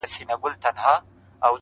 چي د شېخ د سر جنډۍ مي نڅوله -